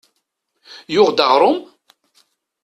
Yuɣ-d aɣrum?